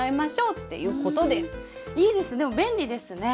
いいですね便利ですね。